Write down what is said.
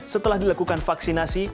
setelah dilakukan vaksinasi